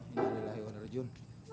iya allah yaudah rizun